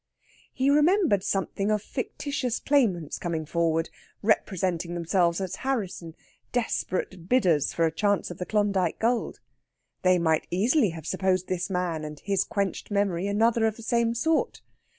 He remembered something of fictitious claimants coming forward, representing themselves as Harrisson desperate bidders for a chance of the Klondyke gold. They might easily have supposed this man and his quenched memory another of the same sort.